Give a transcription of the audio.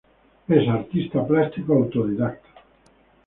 Es artista plástico autodidacta.